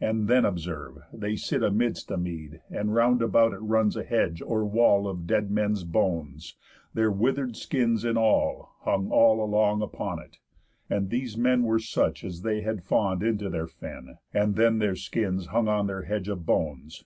And then observe: They sit amidst a mead, And round about it runs a hedge or wall Of dead men's bones, their wither'd skins and all Hung all along upon it; and these men Were such as they had fawn'd into their fen, And then their skins hung on their hedge of bones.